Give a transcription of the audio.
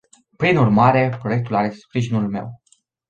Prin urmare, proiectul are sprijinul meu.